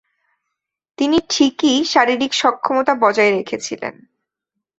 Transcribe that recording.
তিনি ঠিকই শারীরিক সক্ষমতা বজায় রেখেছিলেন।